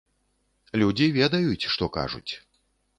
Людзі ведаюць, што кажуць.